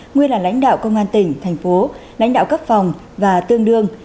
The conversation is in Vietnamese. nguyên là lãnh đạo công an tỉnh thành phố lãnh đạo cấp phòng và tương đương